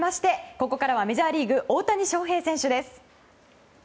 ここからはメジャーリーグ大谷翔平選手です。